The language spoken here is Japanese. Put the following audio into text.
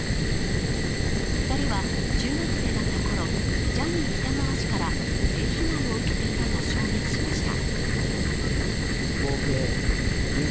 ２人は中学生だったころ、ジャニー喜多川氏から性被害を受けていたと証言しました。